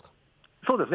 そうですね。